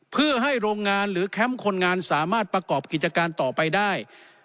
เพื่อให้โรงงานหรือแคมป์คนงานสามารถประกอบกิจการต่อไปได้